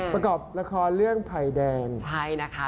ประกอบละครเรื่องภัยแดนใช่นะคะ